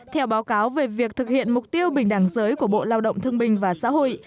theo báo cáo về việc thực hiện mục tiêu bình đẳng giới của bộ lao động thương bình và xã hội